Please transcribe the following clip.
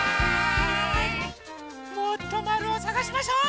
もっとまるをさがしましょう！